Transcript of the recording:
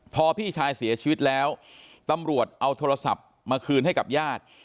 พอพี่ชายเสียชีวิตแล้วตำรวจเอาโทรศัพท์มาคืนให้กับญาติ